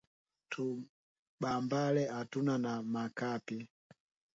Tubambale atuna na ma kapi